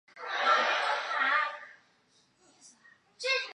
加太子太保。